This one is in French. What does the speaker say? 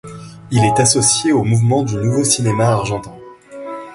Il est associé au mouvement du nouveau cinéma argentin.